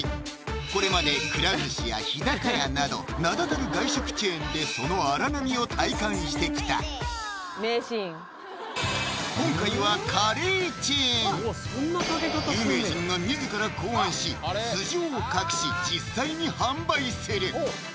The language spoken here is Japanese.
これまでくら寿司や日高屋など名だたる外食チェーンでその荒波を体感してきた有名人が自ら考案し素性を隠し実際に販売する！